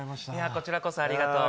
こちらこそ、ありがとう。